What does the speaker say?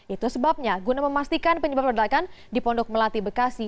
itu sebabnya guna memastikan penyebab ledakan di pondok melati bekasi